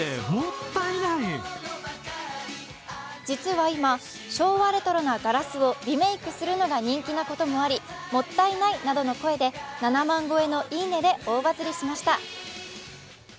実は今、昭和レトロなガラスをリメークするのが人気なのもありもったいないなどの声で７万超えのいいねで大バズりしました。